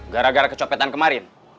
gara gara kecopetan kemarin